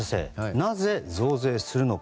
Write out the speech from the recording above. なぜ増税するのか。